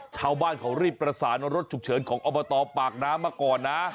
ชาวบ้านเขารีบประสานรถฉุกเฉินของอบตปากน้ำมาก่อนนะ